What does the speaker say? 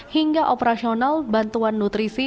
hingga operasional bantuan nutrisi